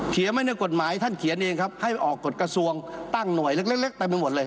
ไว้ในกฎหมายท่านเขียนเองครับให้ออกกฎกระทรวงตั้งหน่วยเล็กเต็มไปหมดเลย